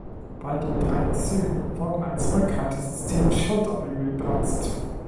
Bei den drei Zügen wurden als Rückhaltesystem Schulterbügel benutzt.